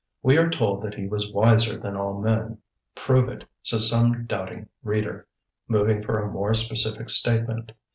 We are told that he was wiser than all men. "Prove it," says some doubting reader, moving for a more specific statement.